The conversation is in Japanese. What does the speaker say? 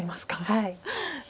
はい。